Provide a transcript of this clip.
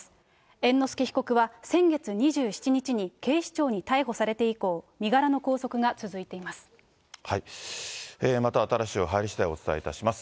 猿之助被告は先月２７日に警視庁に逮捕されて以降、身柄の拘束がまた、新しい情報が入りしだいお伝えいたします。